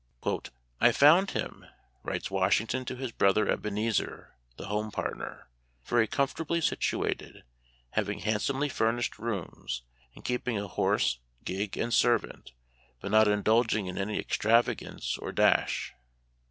" I found him," writes Washington to his brother Ebenezer, the home partner, "very comfortably situated, having handsomely furnished rooms, and keeping a horse, gig, and servant, but not indulging in any extravagance or dash."